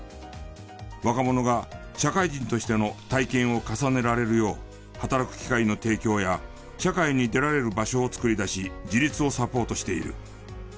若者が社会人としての体験を重ねられるよう働く機会の提供や社会に出られる場所を作り出し自立をサポートしている。